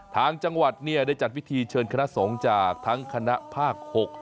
ทางจังหวัดเนี่ยได้จัดวิถีเชินคณะสงฆ์มาจากทักทั้งคณะภาคหก